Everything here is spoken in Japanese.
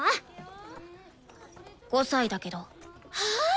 ５歳だけど。は！